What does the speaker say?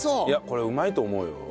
いやこれうまいと思うよ。